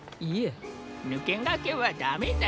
ぬけがけはダメだよ。